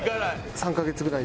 ３カ月ぐらい！